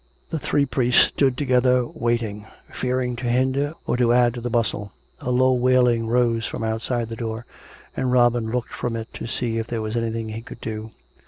The three priests stood together waiting, fearing to hinder or to add to the bustle. A low wailing rose from COME RACK! COME ROPE! 391 outside the door; and Robin looked from it to see if there were anything he could do.